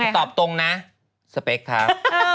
ตอบตรงนะสเปคครับ